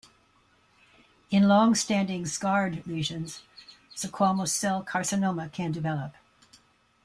In longstanding scarred lesions, squamous cell carcinoma can develop.